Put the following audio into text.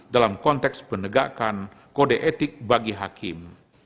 dalam konteks penegakan kode etik bagi hakim